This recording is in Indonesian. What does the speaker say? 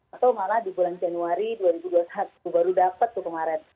atau malah di bulan januari dua ribu dua puluh satu baru dapat tuh kemarin